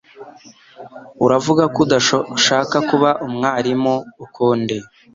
Uravuga ko udashaka kuba umwarimu ukundi